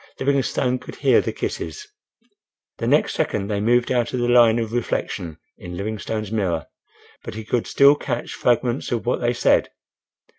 Livingstone could hear the kisses. The next second they moved out of the line of reflection in Livingstone's mirror. But he could still catch fragments of what they said.